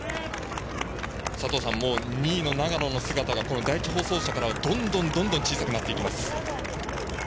もう２位の長野の姿が第１放送車からどんどん小さくなっていきます。